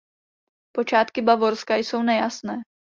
Počátky Bavorska jsou nejasné.